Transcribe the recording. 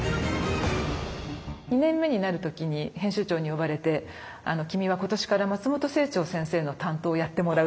２年目になる時に編集長に呼ばれて「君は今年から松本清張先生の担当をやってもらう」って言われたんですね。